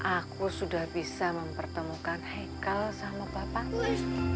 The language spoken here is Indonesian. aku sudah bisa mempertemukan heikal sama bapaknya